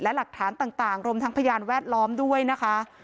และหลักฐานต่างรวมทั้งพยานแวดล้อมด้วยนะคะ